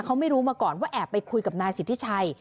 เขาไม่รู้มาก่อนว่าแอบไปคุยกับนายสิทธิชัย